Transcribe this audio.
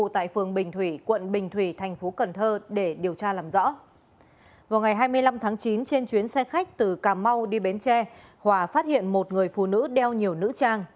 vào ngày hai mươi năm tháng chín trên chuyến xe khách từ cà mau đi bến tre hòa phát hiện một người phụ nữ đeo nhiều nữ trang